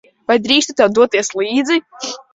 Vai drīkstu tev doties līdzi?